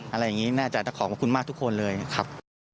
อะไรอย่างนี้แน่ใจแต่ขอขอบคุณมากทุกคนเลยครับ